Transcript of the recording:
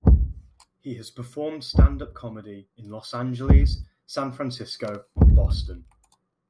He has performed stand-up comedy in Los Angeles, San Francisco, and Boston.